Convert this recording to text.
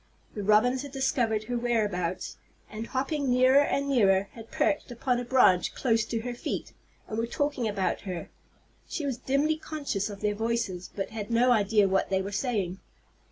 The robins had discovered her whereabouts, and, hopping nearer and nearer, had perched upon a branch close to her feet, and were talking about her. She was dimly conscious of their voices, but had no idea what they were saying.